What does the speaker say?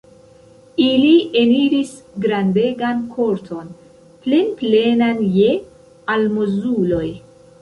Ili eniris grandegan korton, plenplenan je almozuloj.